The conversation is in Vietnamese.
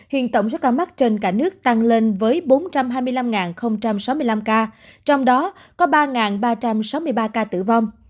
hiện tổng số ca mắc trên cả nước tăng lên với bốn trăm hai mươi năm sáu mươi năm ca trong đó có ba ba trăm sáu mươi ba ca tử vong